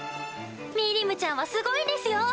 ミリムちゃんはすごいんですよ！